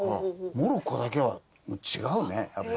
モロッコだけは違うねやっぱり。